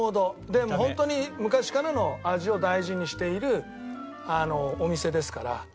でホントに昔からの味を大事にしているお店ですから。